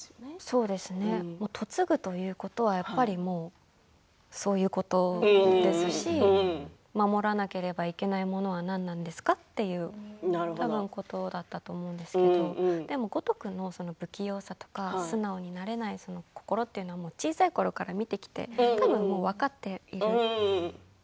そうですね嫁ぐということはやっぱりそういうことですし守らなければいけないものは何なんですかっていうことだったと思うんですけどでも五徳の不器用さとか、素直になれない心というのも小さいころから見てきて多分、分かっているんですね。